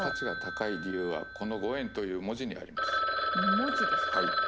文字ですか。